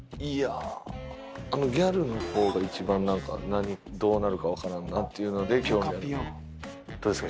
あのギャルの子が一番なんかどうなるかわからんなっていうので興味。